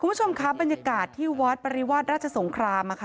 คุณผู้ชมครับบรรยากาศที่วัดปริวาสราชสงคราม